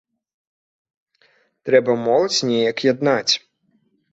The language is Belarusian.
Трэба моладзь неяк яднаць.